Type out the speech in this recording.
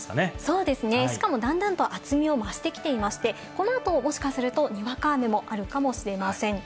そうですね、しかも段々と厚みをましてきていまして、この後もしかすると、にわか雨もあるかもしれません。